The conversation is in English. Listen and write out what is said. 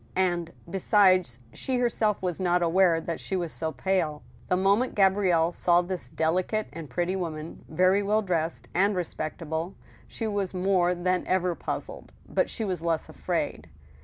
And, besides, she herself was not aware that she was so pale. The moment Gabrielle saw this delicate and pretty woman, very well dressed, and respectable, she was more than ever puzzled, but she was less afraid.